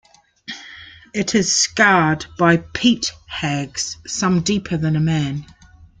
It is scarred by peat hags, some deeper than a man.